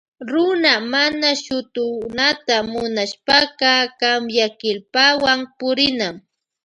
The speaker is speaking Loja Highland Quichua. Runa mana shutunata munashpaka kamyakillpawan purina.